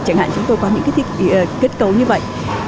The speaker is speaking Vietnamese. chẳng hạn chúng tôi có những kết cấu như vậy